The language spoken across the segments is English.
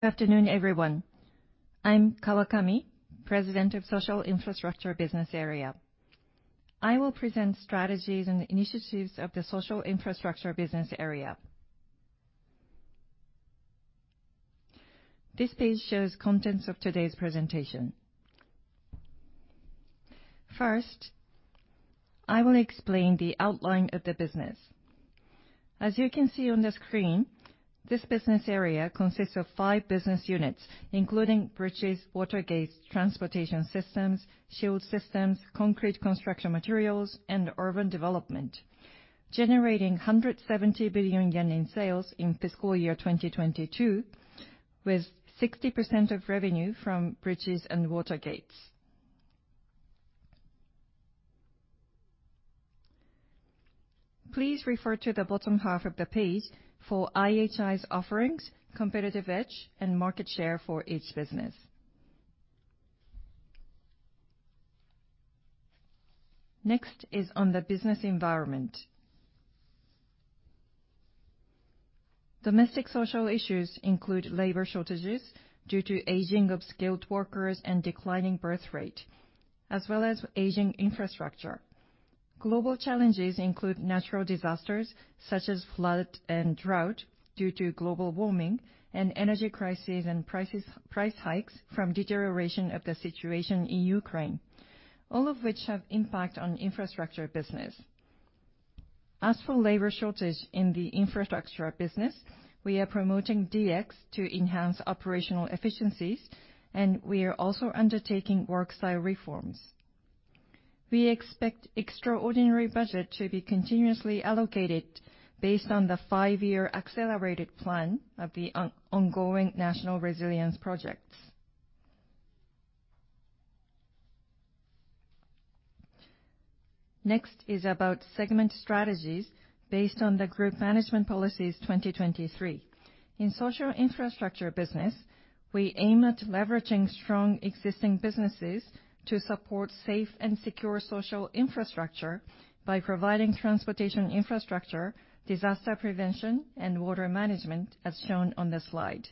Good afternoon, everyone. I'm Kawakami, President of Social Infrastructure Business Area. I will present strategies and initiatives of the Social Infrastructure Business area. This page shows contents of today's presentation. First, I will explain the outline of the business. As you can see on the screen, this business area consists of five business units, including bridges, water gates, transportation systems, shield systems, concrete construction materials, and urban development, generating 170 billion yen in sales in fiscal year 2022, with 60% of revenue from bridges and water gates. Please refer to the bottom half of the page for IHI's offerings, competitive edge, and market share for each business. Next is on the business environment. Domestic social issues include labor shortages due to aging of skilled workers and declining birth rate, as well as aging infrastructure. Global challenges include natural disasters, such as flood and drought, due to global warming, and energy crises and price hikes from deterioration of the situation in Ukraine, all of which have impact on infrastructure business. As for labor shortage in the infrastructure business, we are promoting DX to enhance operational efficiencies, and we are also undertaking work style reforms. We expect extraordinary budget to be continuously allocated based on the five-year accelerated plan of the ongoing national resilience projects. Next is about segment strategies based on the Group Management Policies 2023. In social infrastructure business, we aim at leveraging strong existing businesses to support safe and secure social infrastructure by providing transportation infrastructure, disaster prevention, and water management, as shown on this slide.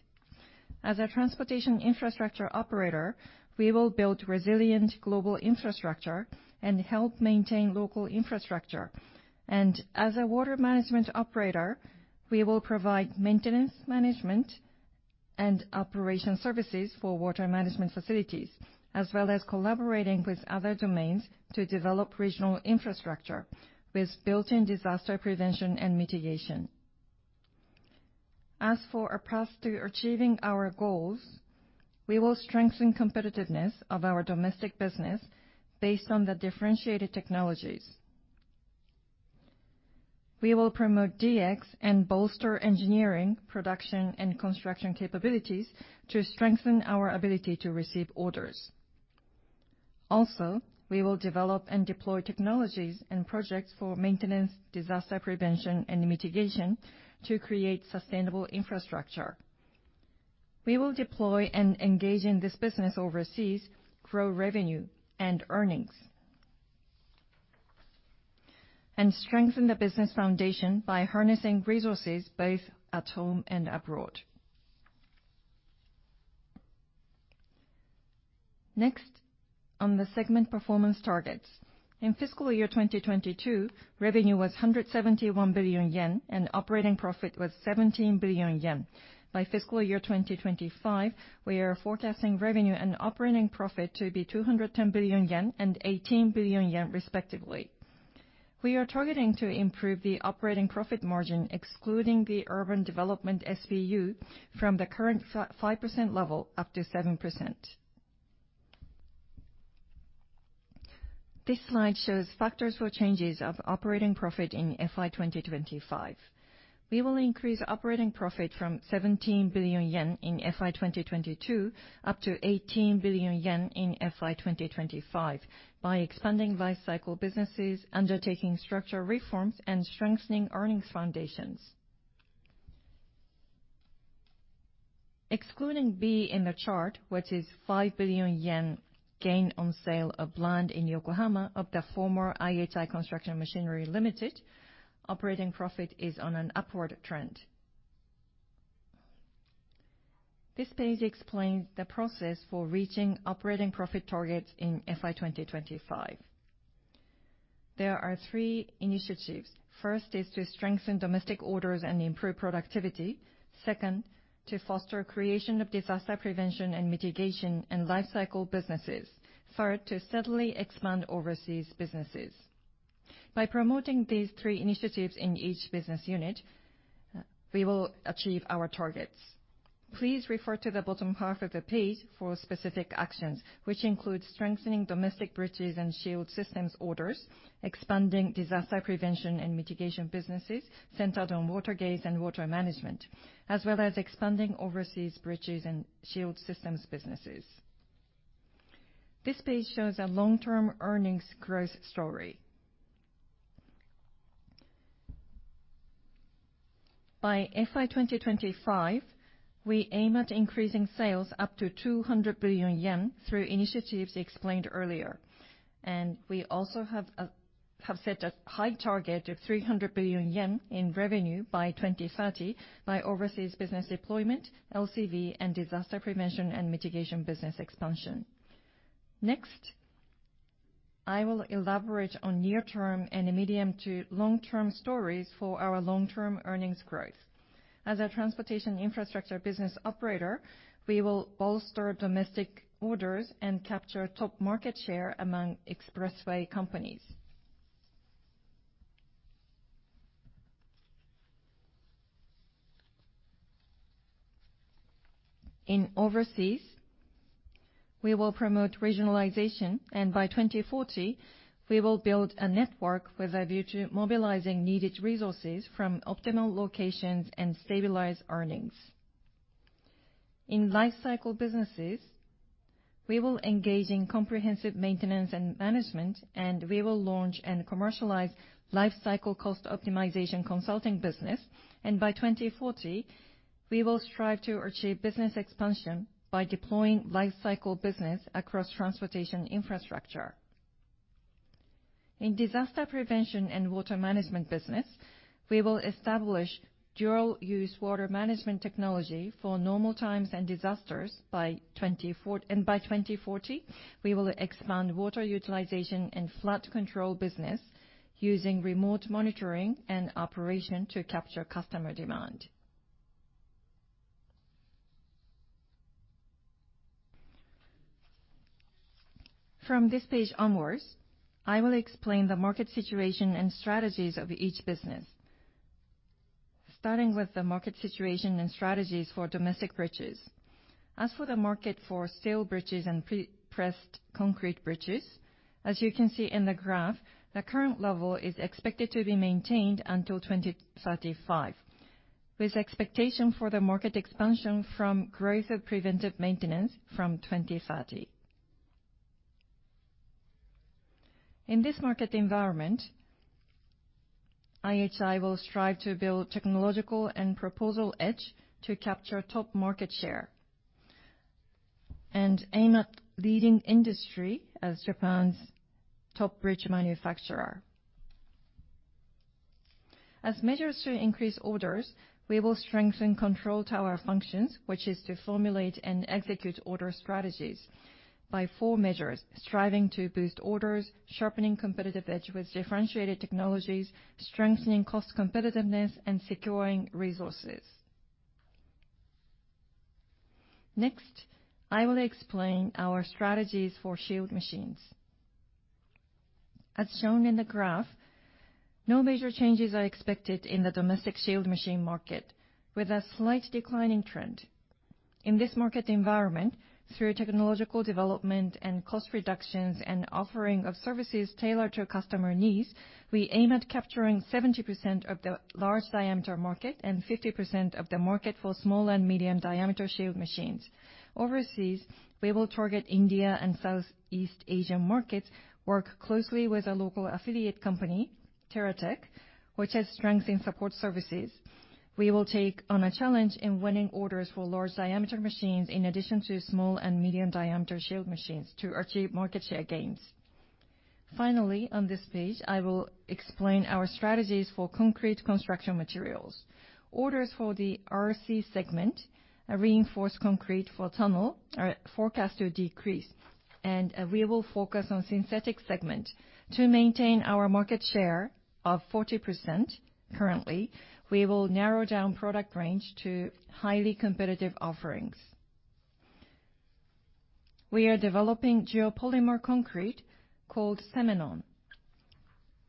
As a transportation infrastructure operator, we will build resilient global infrastructure and help maintain local infrastructure. As a water management operator, we will provide maintenance, management, and operation services for water management facilities, as well as collaborating with other domains to develop regional infrastructure with built-in disaster prevention and mitigation. As for a path to achieving our goals, we will strengthen competitiveness of our domestic business based on the differentiated technologies. We will promote DX and bolster engineering, production, and construction capabilities to strengthen our ability to receive orders. Also, we will develop and deploy technologies and projects for maintenance, disaster prevention, and mitigation to create sustainable infrastructure. We will deploy and engage in this business overseas, grow revenue and earnings, and strengthen the business foundation by harnessing resources both at home and abroad. Next, on the segment performance targets. In fiscal year 2022, revenue was 171 billion yen, and operating profit was 17 billion yen. By fiscal year 2025, we are forecasting revenue and operating profit to be 210 billion yen and 18 billion yen, respectively. We are targeting to improve the operating profit margin, excluding the urban development SBU, from the current five percent level up to seven percent. This slide shows factors for changes of operating profit in FY 2025. We will increase operating profit from 17 billion yen in FY 2022 up to 18 billion yen in FY 2025 by expanding life cycle businesses, undertaking structural reforms, and strengthening earnings foundations. Excluding B in the chart, which is 5 billion yen gain on sale of land in Yokohama of the former IHI Construction Machinery Limited, operating profit is on an upward trend. This page explains the process for reaching operating profit targets in FY 2025. There are three initiatives. First is to strengthen domestic orders and improve productivity. Second, to foster creation of disaster prevention and mitigation and life cycle businesses. Third, to steadily expand overseas businesses. By promoting these three initiatives in each business unit, we will achieve our targets. Please refer to the bottom half of the page for specific actions, which include strengthening domestic bridges and shield systems orders, expanding disaster prevention and mitigation businesses centered on water gates and water management, as well as expanding overseas bridges and shield systems businesses. This page shows a long-term earnings growth story. By FY 2025, we aim at increasing sales up to 200 billion yen through initiatives explained earlier, and we also have set a high target of 300 billion yen in revenue by 2030, by overseas business deployment, LCV, and disaster prevention and mitigation business expansion. Next, I will elaborate on near-term and medium- to long-term stories for our long-term earnings growth. As a transportation infrastructure business operator, we will bolster domestic orders and capture top market share among expressway companies. In overseas, we will promote regionalization, and by 2040, we will build a network with a view to mobilizing needed resources from optimal locations and stabilize earnings. In life cycle businesses, we will engage in comprehensive maintenance and management, and we will launch and commercialize life cycle cost optimization consulting business. By 2040, we will strive to achieve business expansion by deploying life cycle business across transportation infrastructure. In disaster prevention and water management business, we will establish dual use water management technology for normal times and disasters by 2024 and by 2040, we will expand water utilization and flood control business using remote monitoring and operation to capture customer demand. From this page onwards, I will explain the market situation and strategies of each business, starting with the market situation and strategies for domestic bridges. As for the market for steel bridges and pre-stressed concrete bridges, as you can see in the graph, the current level is expected to be maintained until 2035, with expectation for the market expansion from growth of preventive maintenance from 2030. In this market environment, IHI will strive to build technological and proposal edge to capture top market share and aim at leading industry as Japan's top bridge manufacturer. As measures to increase orders, we will strengthen control tower functions, which is to formulate and execute order strategies by 4 measures: striving to boost orders, sharpening competitive edge with differentiated technologies, strengthening cost competitiveness, and securing resources. Next, I will explain our strategies for shield machines. As shown in the graph, no major changes are expected in the domestic shield machine market, with a slight declining trend. In this market environment, through technological development and cost reductions and offering of services tailored to customer needs, we aim at capturing 70% of the large diameter market and 50% of the market for small and medium diameter shield machines. Overseas, we will target India and Southeast Asian markets, work closely with our local affiliate company, Terratec, which has strengths in support services. We will take on a challenge in winning orders for large diameter machines, in addition to small and medium diameter shield machines to achieve market share gains. Finally, on this page, I will explain our strategies for concrete construction materials. Orders for the RC segment, a reinforced concrete for tunnel, are forecast to decrease, and we will focus on synthetic segment. To maintain our market share of 40% currently, we will narrow down product range to highly competitive offerings. We are developing geopolymer concrete called Cemnon.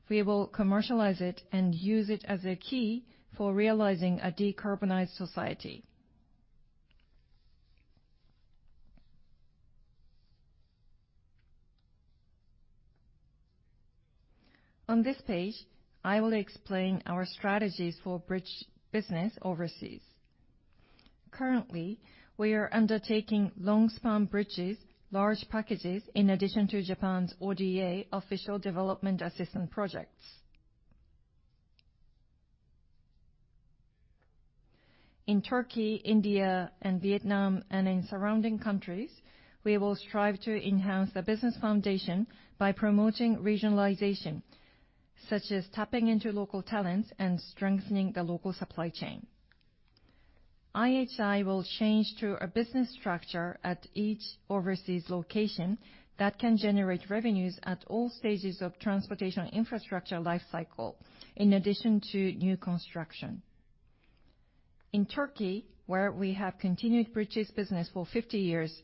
We will commercialize it and use it as a key for realizing a decarbonized society. On this page, I will explain our strategies for bridge business overseas. Currently, we are undertaking long-span bridges, large packages, in addition to Japan's ODA, Official Development Assistance projects. In Turkey, India, and Vietnam, and in surrounding countries, we will strive to enhance the business foundation by promoting regionalization, such as tapping into local talents and strengthening the local supply chain. IHI will change to a business structure at each overseas location that can generate revenues at all stages of transportation infrastructure life cycle, in addition to new construction. In Turkey, where we have continued bridge business for 50 years,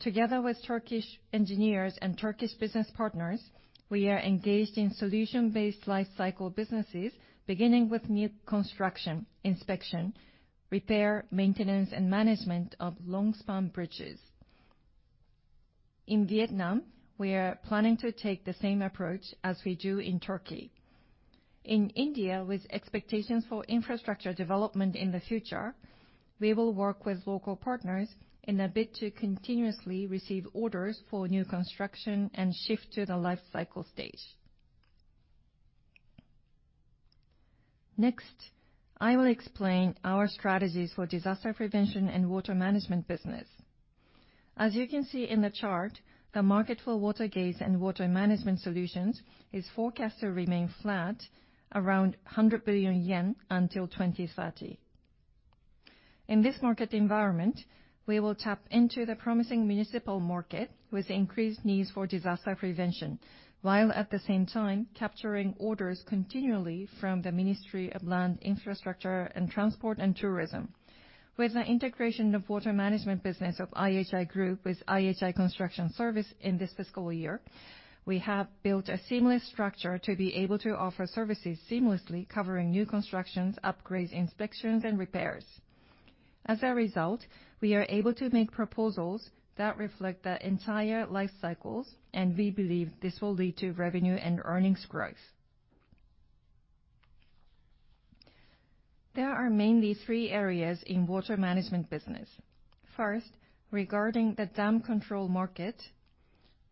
together with Turkish engineers and Turkish business partners, we are engaged in solution-based life cycle businesses, beginning with new construction, inspection, repair, maintenance, and management of long-span bridges. In Vietnam, we are planning to take the same approach as we do in Turkey. In India, with expectations for infrastructure development in the future, we will work with local partners in a bid to continuously receive orders for new construction and shift to the life cycle stage. Next, I will explain our strategies for disaster prevention and water management business. As you can see in the chart, the market for water gates and water management solutions is forecasted to remain flat, around 100 billion yen, until 2030. In this market environment, we will tap into the promising municipal market with increased needs for disaster prevention, while at the same time capturing orders continually from the Ministry of Land, Infrastructure, Transport and Tourism. With the integration of water management business of IHI Group with IHI Construction Service in this fiscal year, we have built a seamless structure to be able to offer services seamlessly, covering new constructions, upgrades, inspections, and repairs. As a result, we are able to make proposals that reflect the entire life cycles, and we believe this will lead to revenue and earnings growth. There are mainly three areas in water management business. First, regarding the dam control market,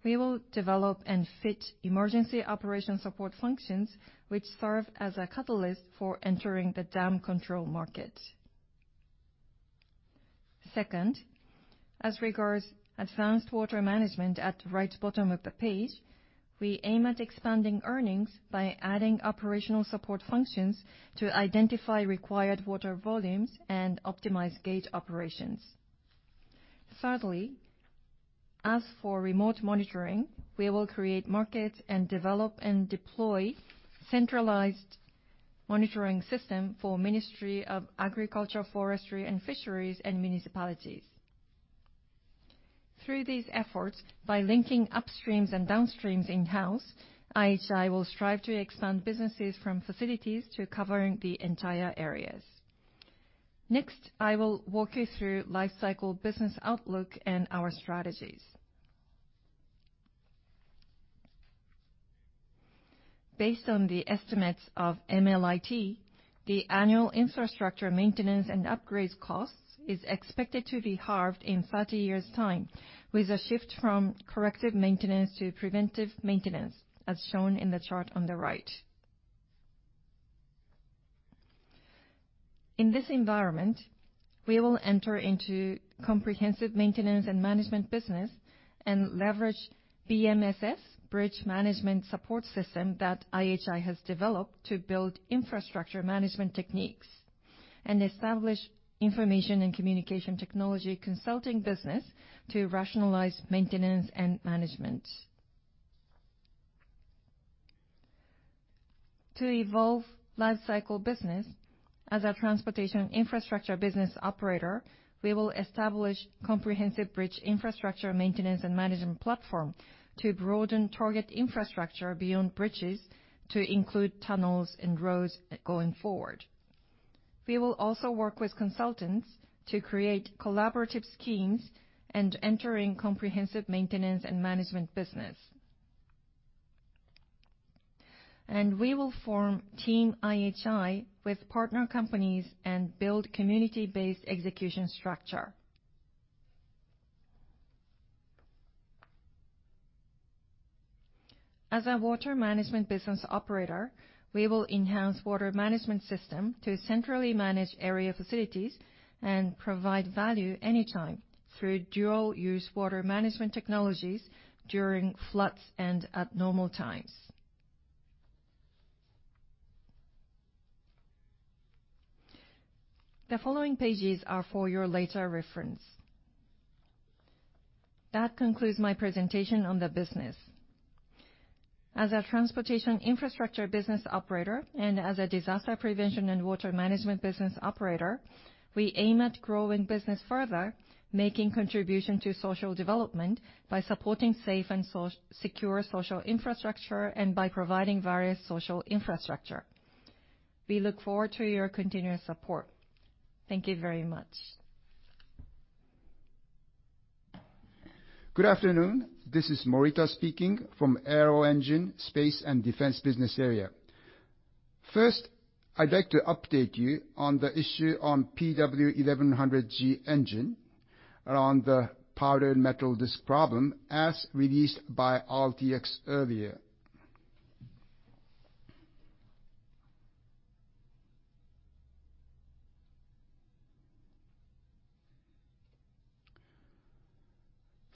we will develop and fit emergency operation support functions, which serve as a catalyst for entering the dam control market. Second, as regards advanced water management at the right bottom of the page, we aim at expanding earnings by adding operational support functions to identify required water volumes and optimize gate operations. Thirdly, as for remote monitoring, we will create markets and develop and deploy centralized monitoring system for Ministry of Agriculture, Forestry and Fisheries, and municipalities. Through these efforts, by linking upstreams and downstreams in-house, IHI will strive to expand businesses from facilities to covering the entire areas. Next, I will walk you through life cycle business outlook and our strategies. Based on the estimates of MLIT, the annual infrastructure maintenance and upgrades costs is expected to be halved in 30 years' time, with a shift from corrective maintenance to preventive maintenance, as shown in the chart on the right. In this environment, we will enter into comprehensive maintenance and management business and leverage BMSS, Bridge Management Support System, that IHI has developed to build infrastructure management techniques, and establish information and communication technology consulting business to rationalize maintenance and management. To evolve life cycle business as a transportation infrastructure business operator, we will establish comprehensive bridge infrastructure maintenance and management platform to broaden target infrastructure beyond bridges, to include tunnels and roads going forward. We will also work with consultants to create collaborative schemes and entering comprehensive maintenance and management business. We will form Team IHI with partner companies and build community-based execution structure. As a water management business operator, we will enhance water management system to centrally manage area facilities and provide value anytime through dual use water management technologies during floods and abnormal times. The following pages are for your later reference. That concludes my presentation on the business. As a transportation infrastructure business operator and as a disaster prevention and water management business operator, we aim at growing business further, making contribution to social development by supporting safe and secure social infrastructure, and by providing various social infrastructure. We look forward to your continuous support. Thank you very much. Good afternoon. This is Morita speaking from Aero Engine, Space and Defense Business Area. First, I'd like to update you on the issue on PW1100G engine around the powdered metal disk problem, as released by RTX earlier.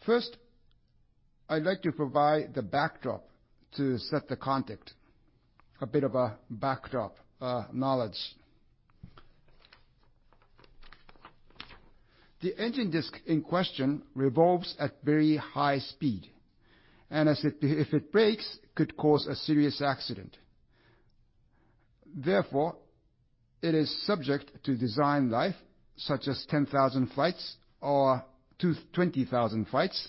First, I'd like to provide the backdrop to set the context, a bit of a backdrop, knowledge. The engine disk in question revolves at very high speed, and if it breaks, could cause a serious accident. Therefore, it is subject to design life, such as 10,000 flights or 20,000 flights,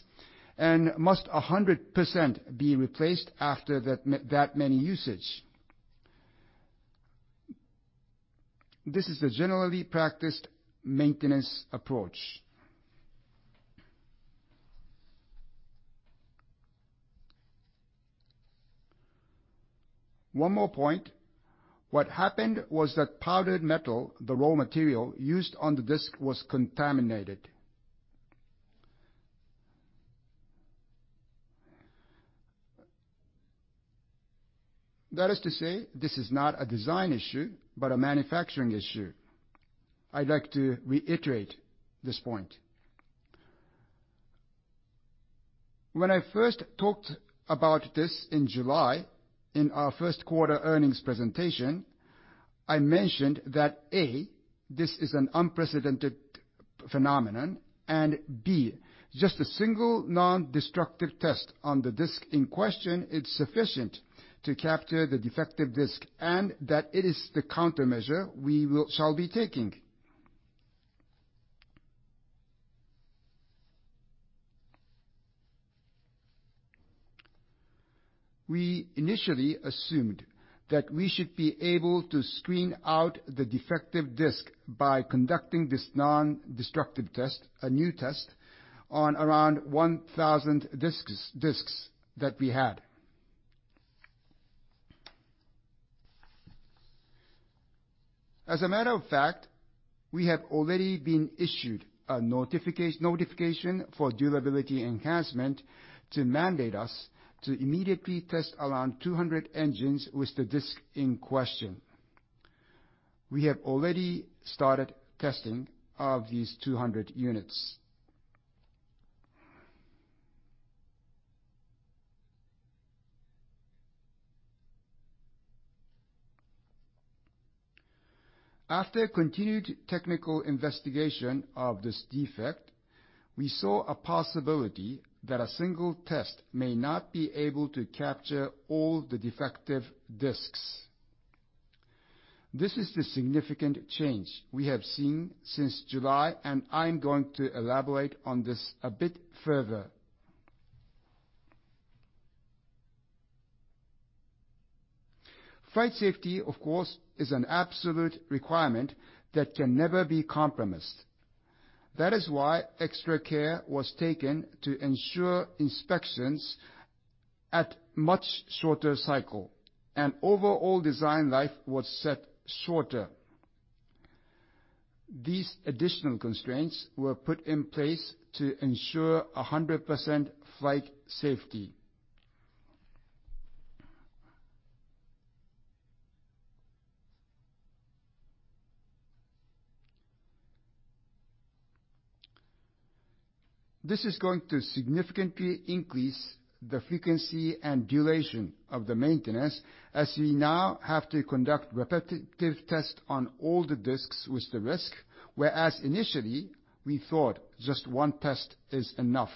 and must 100% be replaced after that many usage. This is a generally practiced maintenance approach. One more point. What happened was that powdered metal, the raw material used on the disk, was contaminated.... That is to say, this is not a design issue, but a manufacturing issue. I'd like to reiterate this point. When I first talked about this in July, in our first quarter earnings presentation, I mentioned that, A, this is an unprecedented phenomenon, and B, just a single non-destructive test on the disk in question is sufficient to capture the defective disk, and that it is the countermeasure we will, shall be taking. We initially assumed that we should be able to screen out the defective disk by conducting this non-destructive test, a new test, on around 1,000 disks, disks that we had. As a matter of fact, we have already been issued a notification for durability enhancement to mandate us to immediately test around 200 engines with the disk in question. We have already started testing of these 200 units. After continued technical investigation of this defect, we saw a possibility that a single test may not be able to capture all the defective disks. This is the significant change we have seen since July, and I'm going to elaborate on this a bit further. Flight safety, of course, is an absolute requirement that can never be compromised. That is why extra care was taken to ensure inspections at much shorter cycle, and overall design life was set shorter. These additional constraints were put in place to ensure 100% flight safety. This is going to significantly increase the frequency and duration of the maintenance, as we now have to conduct repetitive tests on all the disks with the risk, whereas initially, we thought just one test is enough.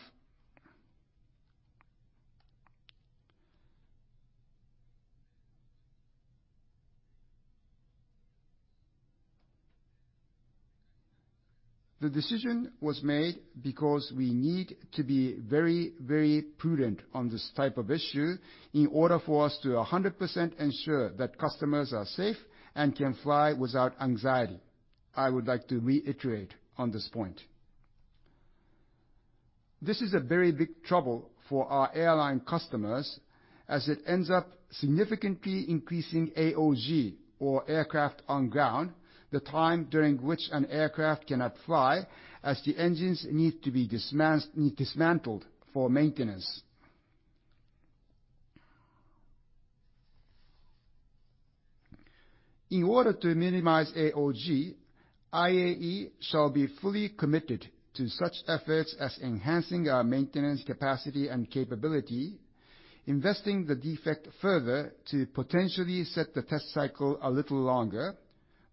The decision was made because we need to be very, very prudent on this type of issue in order for us to 100% ensure that customers are safe and can fly without anxiety. I would like to reiterate on this point. This is a very big trouble for our airline customers, as it ends up significantly increasing AOG, or Aircraft On Ground, the time during which an aircraft cannot fly, as the engines need to be dismantled for maintenance. In order to minimize AOG, IAE shall be fully committed to such efforts as enhancing our maintenance capacity and capability, investigating the defect further to potentially set the test cycle a little longer,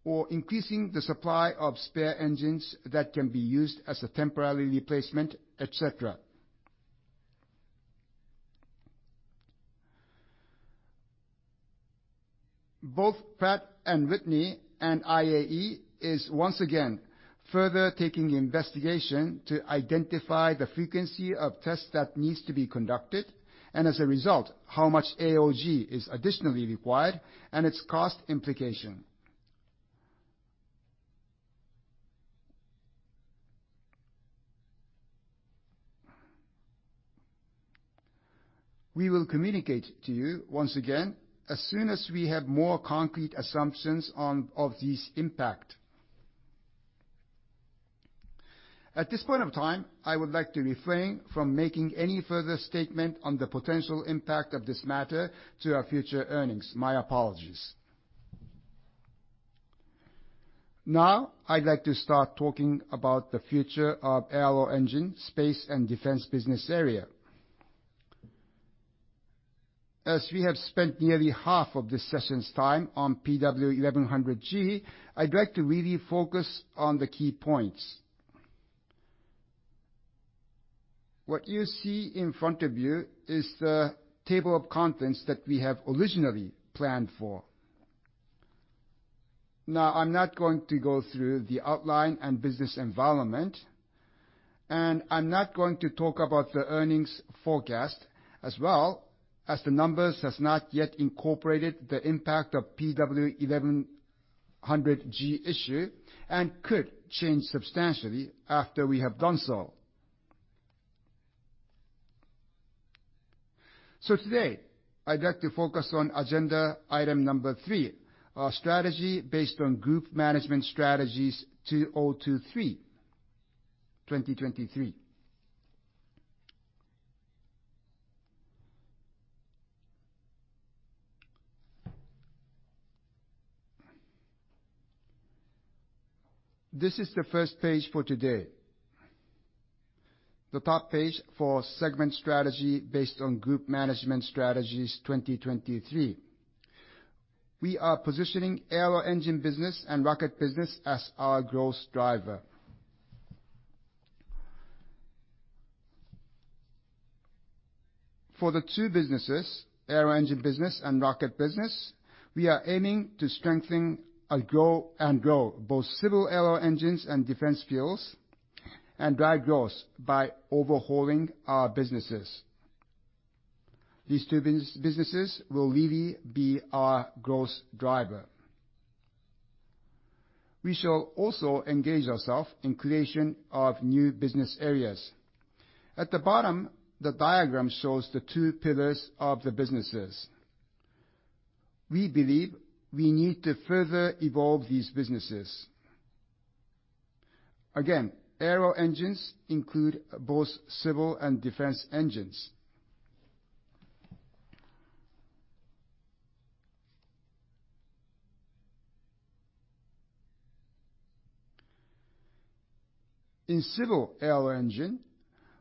or increasing the supply of spare engines that can be used as a temporary replacement, et cetera. Both Pratt & Whitney and IAE is once again further taking investigation to identify the frequency of tests that needs to be conducted, and as a result, how much AOG is additionally required and its cost implication. We will communicate to you once again, as soon as we have more concrete assumptions on, of this impact. At this point of time, I would like to refrain from making any further statement on the potential impact of this matter to our future earnings. My apologies. Now, I'd like to start talking about the future of Aero Engine, Space and Defense Business Area. As we have spent nearly half of this session's time on PW1100G, I'd like to really focus on the key points. What you see in front of you is the table of contents that we have originally planned for. Now, I'm not going to go through the outline and business environment, and I'm not going to talk about the earnings forecast as well, as the numbers has not yet incorporated the impact of PW1100G issue, and could change substantially after we have done so. So today, I'd like to focus on agenda item number 3, our strategy based on group management strategies 2023. This is the first page for today. The top page for segment strategy based on group management strategies 2023. We are positioning aero engine business and rocket business as our growth driver. For the two businesses, aero engine business and rocket business, we are aiming to strengthen and grow, and grow both civil aero engines and defense fuels, and drive growth by overhauling our businesses. These two businesses will really be our growth driver. We shall also engage ourselves in creation of new business areas. At the bottom, the diagram shows the two pillars of the businesses. We believe we need to further evolve these businesses. Again, aero engines include both civil and defense engines. In civil aero engine,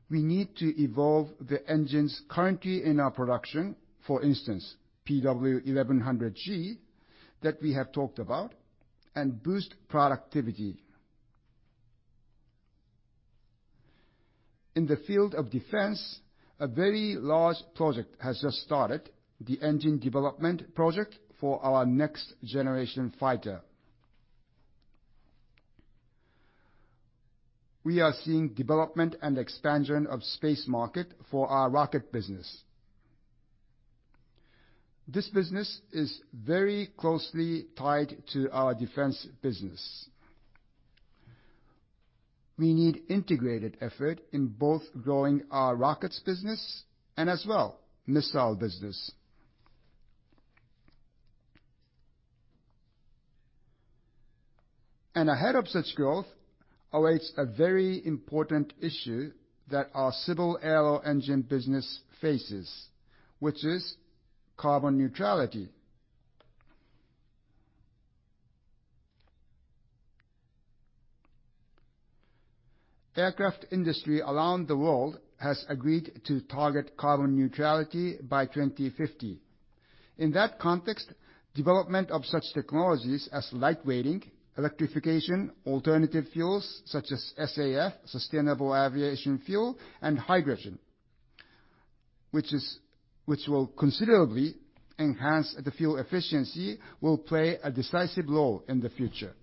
we need to evolve the engines currently in our production, for instance, PW1100G, that we have talked about, and boost productivity. In the field of defense, a very large project has just started, the engine development project for our next generation fighter. We are seeing development and expansion of space market for our rocket business. This business is very closely tied to our defense business. We need integrated effort in both growing our rockets business and as well, missile business. Ahead of such growth, awaits a very important issue that our civil aero engine business faces, which is Carbon Neutrality. Aircraft industry around the world has agreed to target carbon neutrality by 2050. In that context, development of such technologies as lightweighting, electrification, alternative fuels, such as SAF, sustainable aviation fuel, and hydrogen, which will considerably enhance the fuel efficiency, will play a decisive role in the future.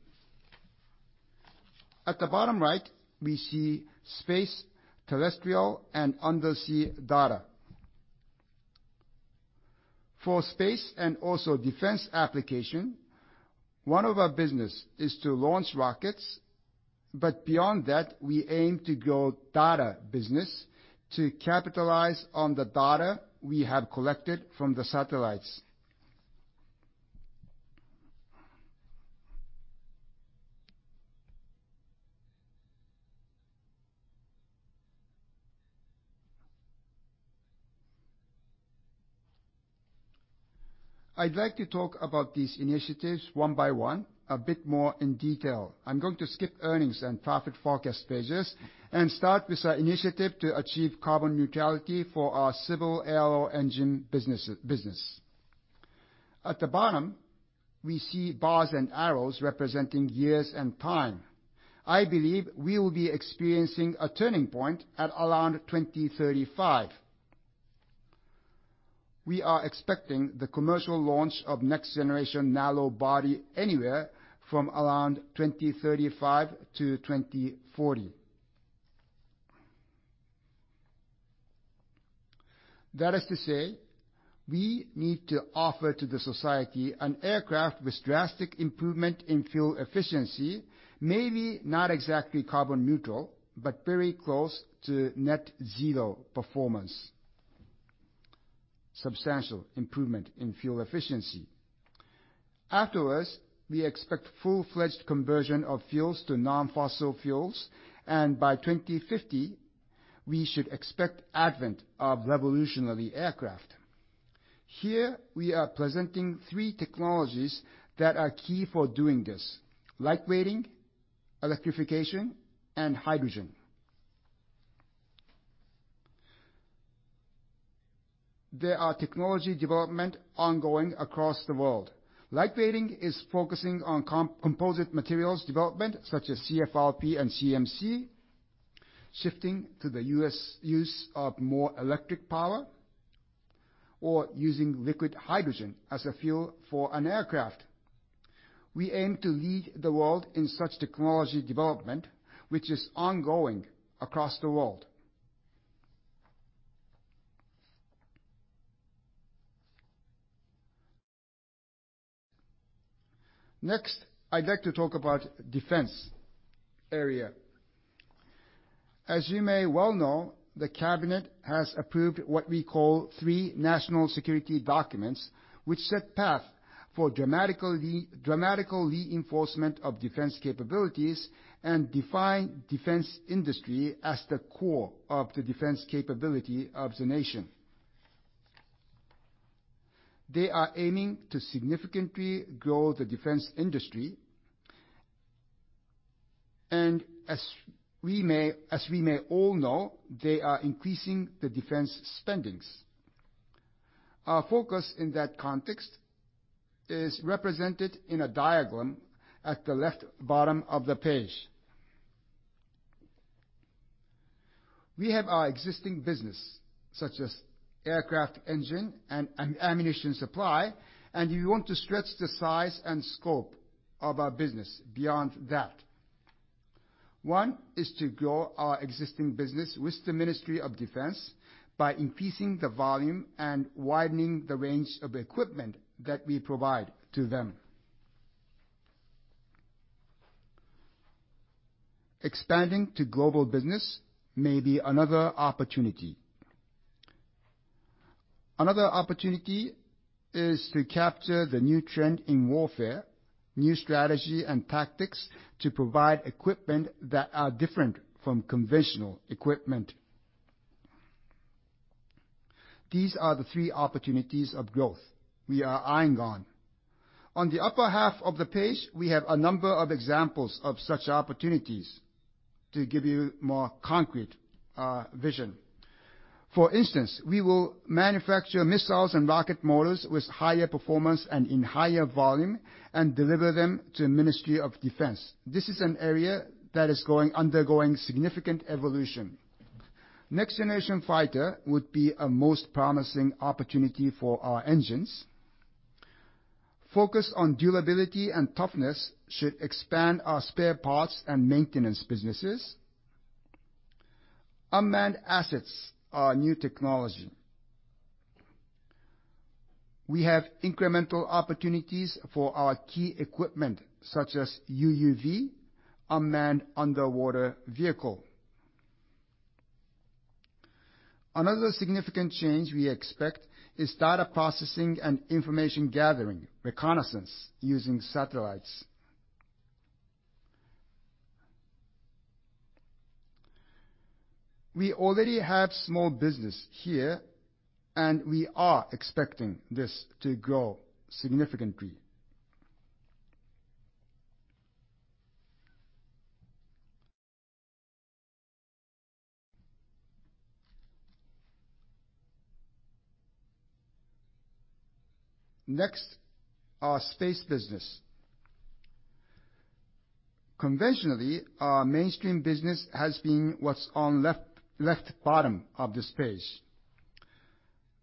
At the bottom right, we see space, terrestrial, and undersea data. For space and also defense application, one of our business is to launch rockets, but beyond that, we aim to grow data business to capitalize on the data we have collected from the satellites. I'd like to talk about these initiatives one by one, a bit more in detail. I'm going to skip earnings and profit forecast pages and start with our initiative to achieve carbon neutrality for our civil aero engine business, business. At the bottom, we see bars and arrows representing years and time. I believe we will be experiencing a turning point at around 2035. We are expecting the commercial launch of next generation narrow body anywhere from around 2035 to 2040. That is to say, we need to offer to the society an aircraft with drastic improvement in fuel efficiency, maybe not exactly carbon neutral, but very close to net zero performance, substantial improvement in fuel efficiency. Afterwards, we expect full-fledged conversion of fuels to non-fossil fuels, and by 2050, we should expect advent of revolutionary aircraft. Here, we are presenting three technologies that are key for doing this: lightweighting, electrification, and hydrogen. There are technology development ongoing across the world. Lightweighting is focusing on composite materials development, such as CFRP and CMC, shifting to the use of more electric power, or using liquid hydrogen as a fuel for an aircraft. We aim to lead the world in such technology development, which is ongoing across the world. Next, I'd like to talk about defense area. As you may well know, the cabinet has approved what we call three national security documents, which set path for dramatic reinforcement of defense capabilities and define defense industry as the core of the defense capability of the nation. They are aiming to significantly grow the defense industry, and as we may all know, they are increasing the defense spending. Our focus in that context is represented in a diagram at the left bottom of the page. We have our existing business, such as aircraft engine and ammunition supply, and we want to stretch the size and scope of our business beyond that. One is to grow our existing business with the Ministry of Defense by increasing the volume and widening the range of equipment that we provide to them. Expanding to global business may be another opportunity. Another opportunity is to capture the new trend in warfare, new strategy and tactics to provide equipment that are different from conventional equipment. These are the three opportunities of growth we are eyeing on. On the upper half of the page, we have a number of examples of such opportunities to give you more concrete vision. For instance, we will manufacture missiles and rocket motors with higher performance and in higher volume, and deliver them to the Ministry of Defense. This is an area that is undergoing significant evolution. Next Generation Fighter would be a most promising opportunity for our engines. Focus on durability and toughness should expand our spare parts and maintenance businesses. Unmanned assets are a new technology. We have incremental opportunities for our key equipment, such as UUV, unmanned underwater vehicle. Another significant change we expect is data processing and information gathering, reconnaissance using satellites. We already have small business here, and we are expecting this to grow significantly. Next, our space business. Conventionally, our mainstream business has been what's on left, left bottom of this page,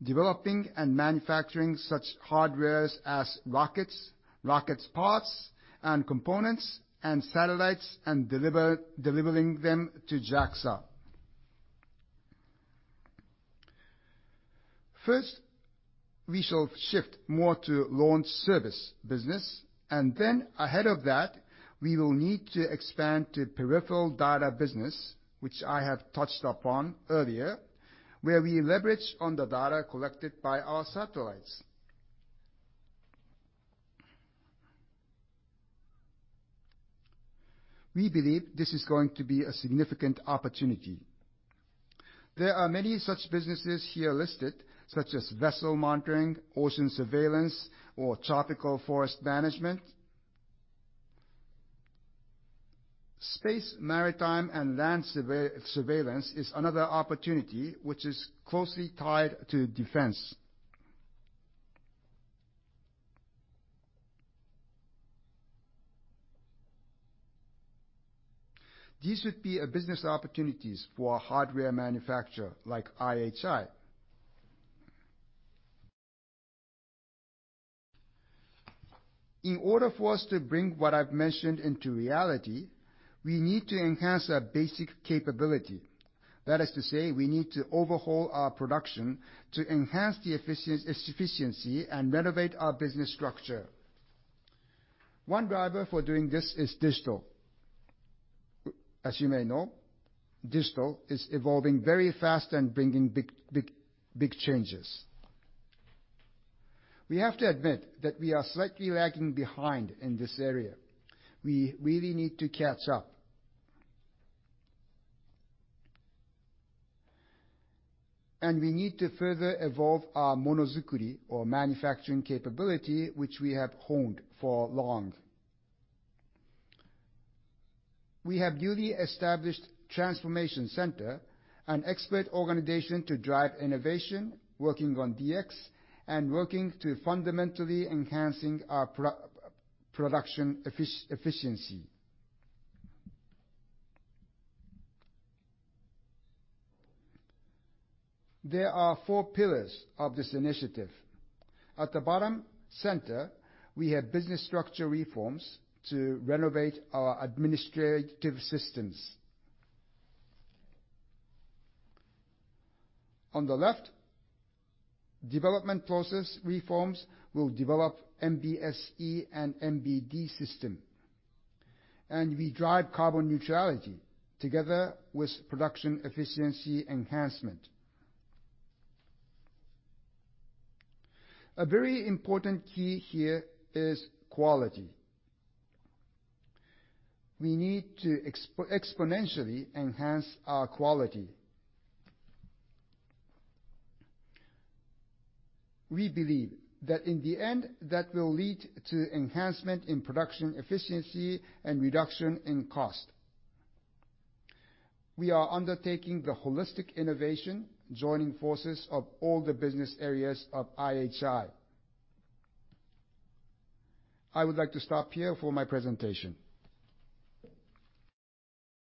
developing and manufacturing such hardware as rockets, rockets parts, and components and satellites, and delivering them to JAXA. First, we shall shift more to launch service business, and then ahead of that, we will need to expand to peripheral data business, which I have touched upon earlier, where we leverage on the data collected by our satellites. We believe this is going to be a significant opportunity. There are many such businesses here listed, such as vessel monitoring, ocean surveillance, or tropical forest management. Space, maritime, and land survey-surveillance is another opportunity, which is closely tied to defense. These would be business opportunities for a hardware manufacturer like IHI. In order for us to bring what I've mentioned into reality, we need to enhance our basic capability. That is to say, we need to overhaul our production to enhance the efficiency and renovate our business structure. One driver for doing this is digital. As you may know, digital is evolving very fast and bringing big, big, big changes. We have to admit that we are slightly lagging behind in this area. We really need to catch up. We need to further evolve our monozukuri or manufacturing capability, which we have honed for long. We have newly established Transformation Center, an expert organization to drive innovation, working on DX and working to fundamentally enhancing our production efficiency. There are four pillars of this initiative. At the bottom center, we have business structure reforms to renovate our administrative systems. On the left, development process reforms will develop MBSE and MBD system, and we drive carbon neutrality together with production efficiency enhancement. A very important key here is quality. We need to exponentially enhance our quality. We believe that in the end, that will lead to enhancement in production efficiency and reduction in cost. We are undertaking the holistic innovation, joining forces of all the business areas of IHI. I would like to stop here for my presentation.